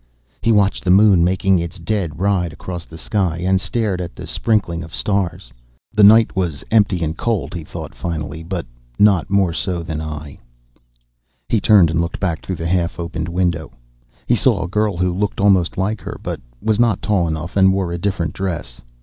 He watched the moon making its dead ride across the sky, and stared at the sprinkling of stars. The night was empty and cold, he thought, finally. But not more so than I. He turned and looked back through the half opened window. He saw a girl who looked almost like her, but was not tall enough and wore a different dress.